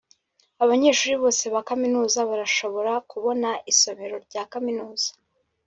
abanyeshuri bose ba kaminuza barashobora kubona isomero rya kaminuza